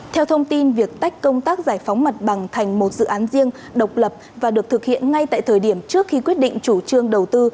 theo thông tin việc tách công tác giải phóng mặt bằng thành một dự án riêng độc lập và được thực hiện ngay tại thời điểm trước khi quyết định chủ trương đầu tư